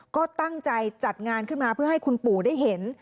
ก็ตั้งใจจัดงานขึ้นมาเพื่อให้คุณปู่ได้เห็น